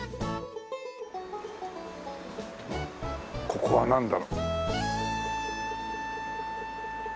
ここはなんだろう？